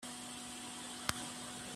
並不是單純事實報導